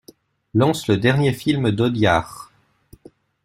Lance le dernier film d'Audiard.